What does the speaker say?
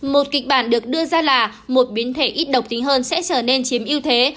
một kịch bản được đưa ra là một biến thể ít độc tính hơn sẽ trở nên chiếm ưu thế